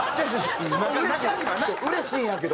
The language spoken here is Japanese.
うれしいんやけど。